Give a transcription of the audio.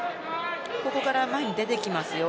ここから前に出てきますよ。